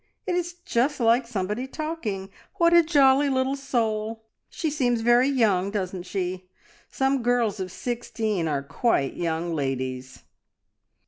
"It is just like somebody talking. What a jolly little soul! She seems very young, doesn't she? Some girls of sixteen are quite young ladies."